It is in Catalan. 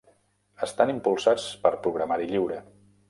Estan impulsats per programari lliure.